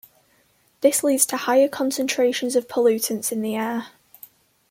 This leads to higher concentrations of pollutants in the air.